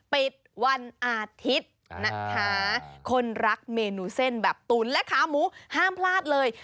ปิดวันอาทิตย์นะคะคนรักเมนูเส้นแบบตุ๋นและขาหมูห้ามพลาดเลย